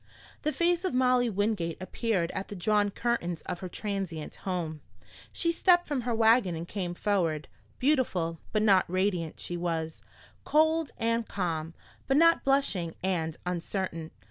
The face of Molly Wingate appeared at the drawn curtains of her transient home. She stepped from her wagon and came forward. Beautiful, but not radiant, she was; cold and calm, but not blushing and uncertain.